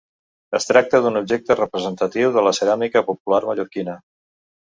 Es tracta d'un objecte representatiu de la ceràmica popular mallorquina.